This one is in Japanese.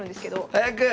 早く！